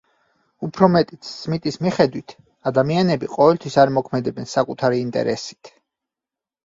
უფრო მეტიც, სმიტის მიხედვით, ადამიანები ყოველთვის არ მოქმედებენ საკუთარი ინტერესით.